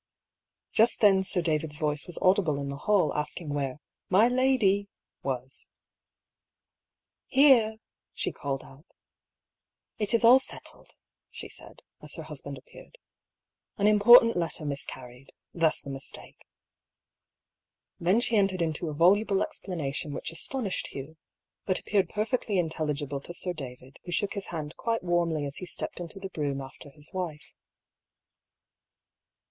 Just then Sir David's voice was audible in the hall asking where " my lady " was. " Here," she called out. " It is all settled," she said, as her husband appeared. '^An important letter mis carried — thus the mistake." Then she entered into a voluble explanation which astonished Hugh, but appeared perfectly intelligible to Sir David, who shook his hand quite warmly as he stepped into the brougham after his wife.